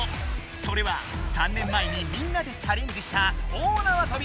それは３年前にみんなでチャレンジした大なわとび